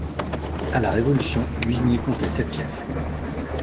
À la Révolution, Guiseniers comptait sept fiefs.